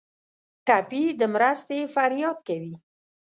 ټپي د مرستې فریاد کوي.